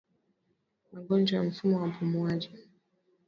Magonjwa ya mfumo wa upumuaji